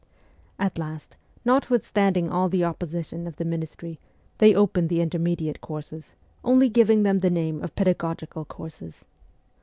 At last, notwithstanding all the opposition of the Ministry, they opened the intermediate courses, only giving them the name of pedagogical courses.